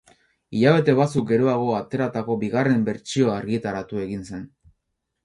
Hilabete batzuk geroago ateratako bigarren bertsioa argitaratu egin zen.